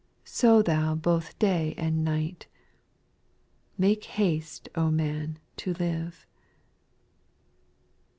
Sow thou both day and night. Make haste, O man, to live I 7.